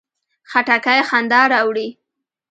خټکی خندا راوړي.